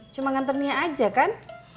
cuma nganterinnya aja kan